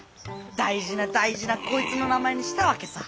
大事な大事なこいつの名前にしたわけさぁ。